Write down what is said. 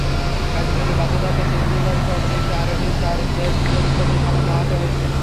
গাজীপুরে বাসের ধাক্কায় সিএনজিচালিত অটোরিকশার আরোহী চার জেএসসি পরীক্ষার্থী সামান্য আহত হয়েছে।